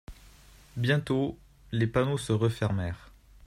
Bientôt les panneaux se refermèrent.